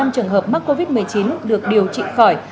năm trường hợp mắc covid một mươi chín được điều trị khỏi